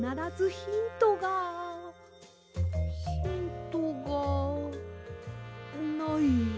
ヒントがない。